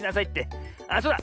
ああそうだ。